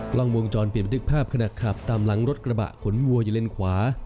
กล้องวงจรปิดบันทึกภาพขณะขับตามหลังรถกระบะขนวัวอยู่เลนขวา